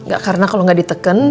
gak karena kalo gak diteken